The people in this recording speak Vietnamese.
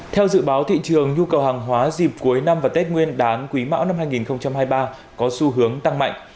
theo dự báo thị trường nhu cầu hàng hóa dịp cuối năm và tết nguyên đán quý mão năm hai nghìn hai mươi ba có xu hướng tăng mạnh